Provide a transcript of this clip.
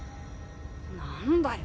何だよ。